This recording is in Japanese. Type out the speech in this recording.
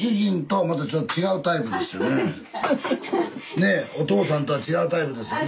ねえおとうさんとは違うタイプですよね。